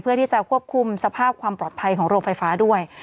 เพื่อที่จะควบคุมสภาพความปลอดภัยของโรงไฟฟ้าด้วย